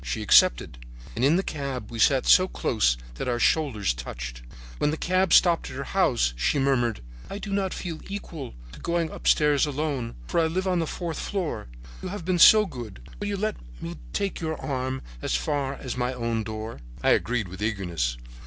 She accepted, and in the cab we sat so close that our shoulders touched. "When the cab stopped at her house she murmured: 'I do not feel equal to going upstairs alone, for I live on the fourth floor. You have been so good. Will you let me take your arm as far as my own door?' "I agreed with eagerness.